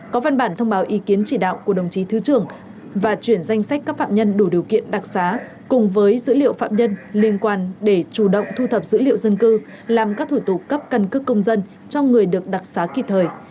có văn bản thông báo ý kiến chỉ đạo của đồng chí thứ trưởng và chuyển danh sách các phạm nhân đủ điều kiện đặc xá cùng với dữ liệu phạm nhân liên quan để chủ động thu thập dữ liệu dân cư làm các thủ tục cấp căn cước công dân cho người được đặc xá kịp thời